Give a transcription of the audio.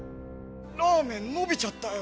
ラーメンのびちゃったよ。